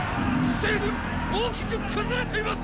西軍大きく崩れています！